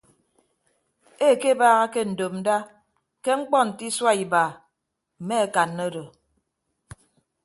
Ekebaaha ke ndopnda ke ñkpọ nte isua iba mme akanna odo.